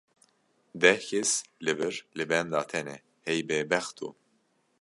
Deh kes li vir li benda te ne hey bêbexto.